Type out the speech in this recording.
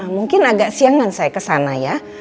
mungkin agak siangan saya kesana ya